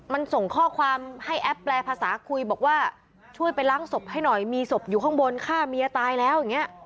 มันส่งข้อความให้แอปแปลภาษาคุยบอกว่าช่วยไปล้างศพให้หน่อยมีศพอยู่ข้างบนฆ่าเมียตายแล้วอย่างนี้